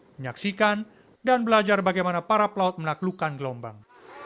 menyaksikan dan belajar bagaimana para pelaut menaklukkan gelombang